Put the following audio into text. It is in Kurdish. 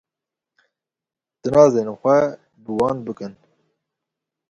Tinazên xwe bi wan bikin.